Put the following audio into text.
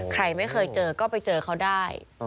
ใครไม่เคยเจอก็ไปเจอเขาได้